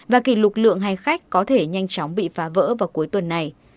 và kỷ lục lượng hành khách có thể nhanh chóng bị phá vỡ vào cuối tuần này